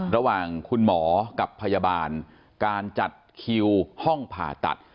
ระหว่างคุณหมอกับพยาบาลการจัดคิวห้องผ่าตัด